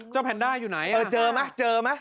เจ้าแพนด้าอยู่ไหนเออเจอมั้ยเจอมั้ย